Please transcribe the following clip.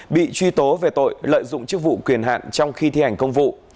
bị truy tố về tội lợi dụng chức vụ quyền hạn trong khi thi hành công vụ